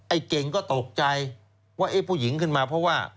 เก่งก็ตกใจว่าเอ๊ะผู้หญิงขึ้นมาเพราะว่า